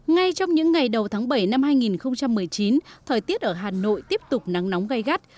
ngay trong những ngày đầu tháng bảy năm hai nghìn một mươi chín thời tiết ở hà nội tiếp tục nắng nóng gai gắt